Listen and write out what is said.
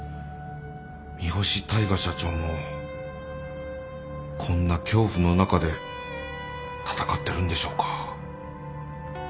三星大海社長もこんな恐怖の中で闘ってるんでしょうか。